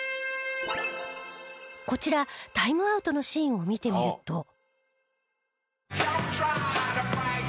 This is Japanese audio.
こちらタイムアウトのシーンを見てみると。